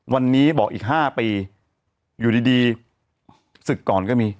วันนี้บอกอีก๕ปีอยู่ดีศึกก่อนก็มี